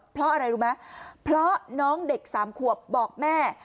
เพราะอะไรรู้ไหมเพราะน้องเด็กสามขวบบอกแม่